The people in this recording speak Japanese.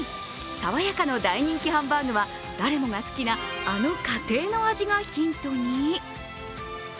さわやかの大人気ハンバーグは誰もが好きなあの家庭の味がヒントに？